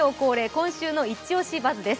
「今週のイチオシバズ！」です。